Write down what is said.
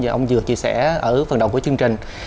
như ông vừa chia sẻ ở phần đầu của chương trình